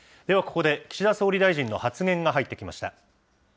ではここで岸田総理大臣の発言が入ってきました。